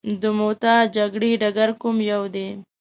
د موته جګړې ډګر کوم یو دی.